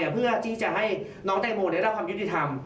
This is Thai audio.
เพื่อที่จะให้น้องแตงโมได้รับความยุติธรรม